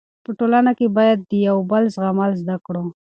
په ټولنه کې باید د یو بل زغمل زده کړو.